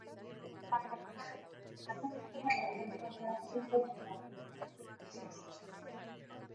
Tibeten bakarrik bizi da eta desagertzeko zorian dago.